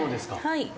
はい。